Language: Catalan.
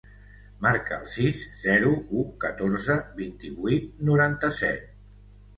Marca el sis, zero, u, catorze, vint-i-vuit, noranta-set.